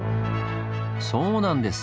そうなんです！